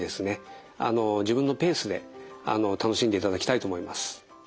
自分のペースで楽しんでいただきたいと思います。